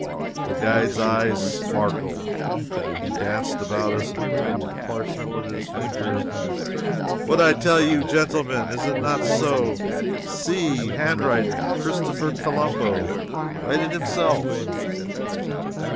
The guide's eyes sparkled. He danced about us and tapped the parchment with his finger: "What I tell you, genteelmen! Is it not so? See! handwriting Christopher Colombo! write it himself!"